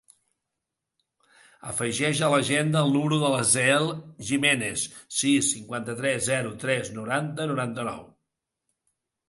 Afegeix a l'agenda el número de l'Aseel Gimenez: sis, cinquanta-tres, zero, tres, noranta, noranta-nou.